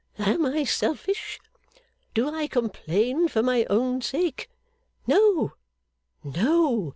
Am I selfish? Do I complain for my own sake? No. No.